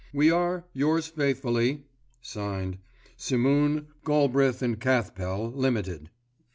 We are, Yours faithfully, (Signed) SIMOON, GOLBRITH & CATHPELL, LTD.